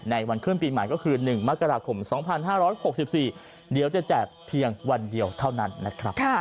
วันขึ้นปีใหม่ก็คือ๑มกราคม๒๕๖๔เดี๋ยวจะแจกเพียงวันเดียวเท่านั้นนะครับ